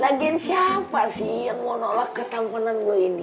lagian siapa sih yang mau nolak ketampanan gue ini